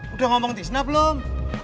udah ngomong tisna belum